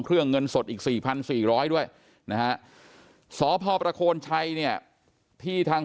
เงินสดอีก๔๔๐๐ด้วยนะฮะสพประโคนชัยเนี่ยที่ทาง